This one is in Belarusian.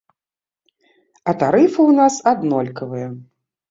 А тарыфы ў нас аднолькавыя.